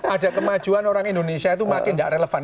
ada kemajuan orang indonesia itu makin tidak relevan